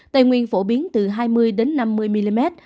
tây nguyên phổ biến từ hai mươi năm mươi mm